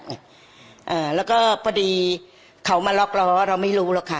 แล้วก็พอดีเขามาล็อกล้อเราไม่รู้หรอกค่ะ